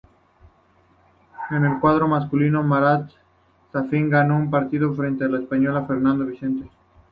En el cuadro masculino, Marat Safin ganó su partido frente al español Fernando Vicente.